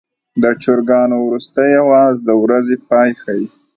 د چرګانو وروستی اواز د ورځې پای ښيي.